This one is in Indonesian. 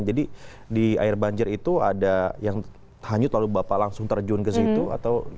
jadi di air banjir itu ada yang tahan yut lalu bapak langsung terjun ke situ atau